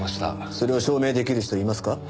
それを証明出来る人はいますか？